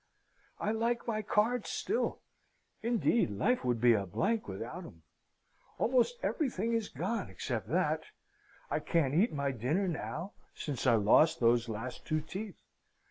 I like my cards still. Indeed, life would be a blank without 'em. Almost everything is gone except that. I can't eat my dinner now, since I lost those last two teeth.